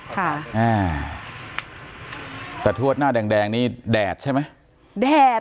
ค่ะอ่าแต่ทวดหน้าแดงนี่แดดใช่ไหมแดด